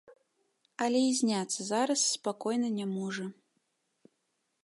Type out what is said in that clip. Але і зняцца зараз спакойна не можа.